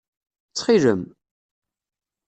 Ttxil-m!